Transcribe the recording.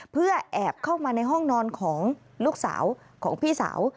เพื่อแอบเข้ามาในห้องนอนของลูกสาวของพี่สาว